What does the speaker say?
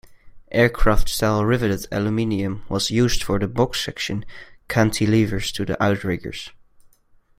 Aircraft-style riveted aluminium was used for the box-section cantilevers to the outriggers.